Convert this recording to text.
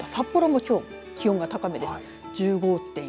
また札幌もきょう気温が高めです。